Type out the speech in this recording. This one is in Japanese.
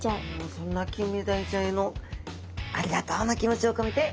そんなキンメダイちゃんへのありがとうの気持ちを込めて。